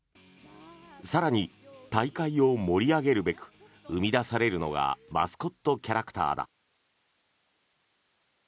更に、大会を盛り上げるべく生み出されるのがマスコットキャラクターだ。